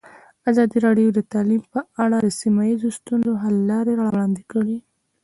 ازادي راډیو د تعلیم په اړه د سیمه ییزو ستونزو حل لارې راوړاندې کړې.